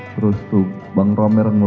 terus tuh bang romer